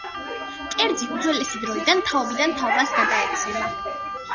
კერძი უძველესი დროიდან თაობიდან თაობას გადაეცემა.